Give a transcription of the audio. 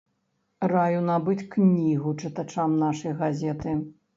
Раю набыць кнігу чытачам нашай газеты.